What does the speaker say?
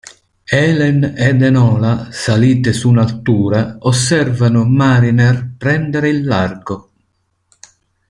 Helen ed Enola, salite su un’altura, osservano Mariner prendere il largo.